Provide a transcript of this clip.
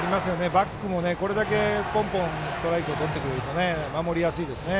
バックもこれだけポンポンストライクをとってくれると守りやすいですよね。